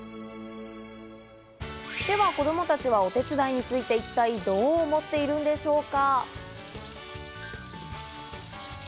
では子供たちはお手伝いについて、一体、どう思っているんでしょうか？